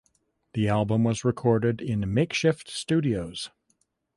The album was recorded in makeshift studios.